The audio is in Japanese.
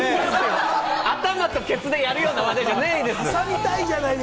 頭とケツでやるような話題じゃないんですよ。